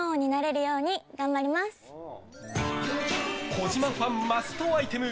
児嶋ファンマストアイテム